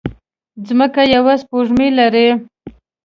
ځمکه يوه سپوږمۍ لري